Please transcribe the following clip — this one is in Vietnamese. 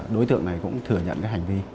đối tượng này cũng thừa nhận cái hành vi